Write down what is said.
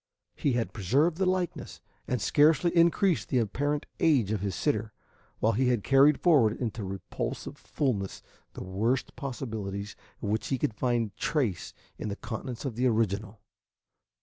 He had preserved the likeness, and scarcely increased the apparent age of his sitter, while he had carried forward into repulsive fullness the worst possibilities of which he could find trace in the countenance of the original.